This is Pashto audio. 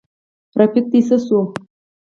رفیق دي څه شو.